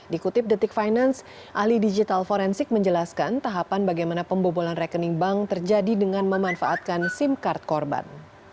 dikutip detik finance ahli digital forensik menjelaskan tahapan bagaimana pembobolan rekening bank terjadi dengan memanfaatkan sim card korban